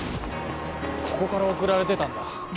ここから送られてたんだ。